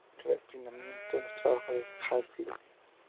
Alcanzó su más grande refinamiento en los trabajos de Hafiz.